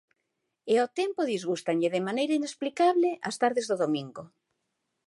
E ó tempo disgústanlle de maneira inexplicable as tardes do domingo.